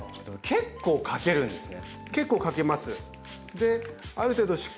結構かけるんですね。